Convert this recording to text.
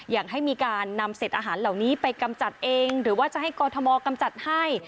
อย่างให้มีการนำเศษอาหารเหล่านี้ไปกำจัดเองหรือว่าจะให้กรทมกำจัดให้